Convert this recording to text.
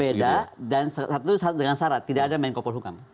beda dan satu dengan syarat tidak ada menko polhukam